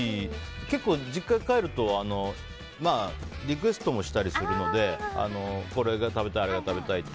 結構、実家帰るとリクエストもしたりするのでこれが食べたいあれが食べたいって。